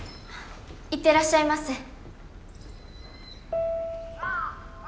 行ってらっしゃいませ。